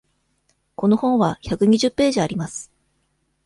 この本は百二十ページあります。